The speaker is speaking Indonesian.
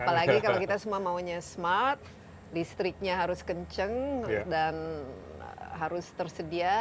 apalagi kalau kita semua maunya smart listriknya harus kenceng dan harus tersedia